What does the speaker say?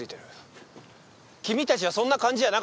君たちはそんな感じじゃなかった。